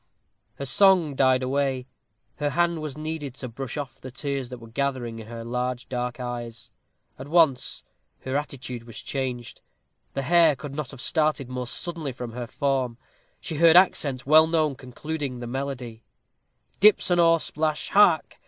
Her song died away. Her hand was needed to brush off the tears that were gathering in her large dark eyes. At once her attitude was changed. The hare could not have started more suddenly from her form. She heard accents well known concluding the melody: Dips an oar plash hark!